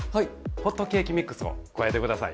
ホットケーキミックスを加えて下さい。